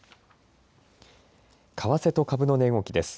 為替と株の値動きです。